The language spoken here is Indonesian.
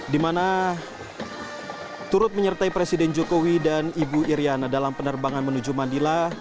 di mana turut menyertai presiden jokowi dan ibu iryana dalam penerbangan menuju mandila